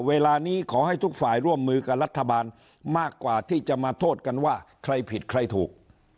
เวลานี้ขอให้ทุกฝ่ายร่วมมือกับรัฐบาลมากกว่าที่จะมาโทษกันว่าใครผิดใครถูก